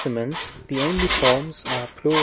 T, the only forms are pl. G.